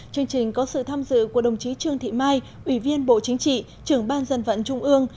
chương trình có sự tham dự của đồng chí trương thị mai ủy viên bộ chính trị trưởng ban dân vận trung ương